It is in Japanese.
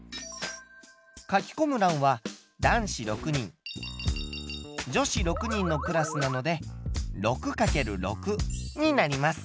書きこむらんは男子６人女子６人のクラスなので６×６になります。